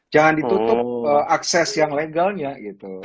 jangan ditutup akses yang legalnya gitu